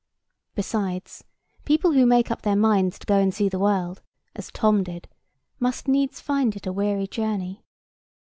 Besides, people who make up their minds to go and see the world, as Tom did, must needs find it a weary journey.